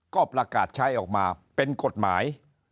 ก็ประกาศใช้ออกมาเป็นกฎหมาย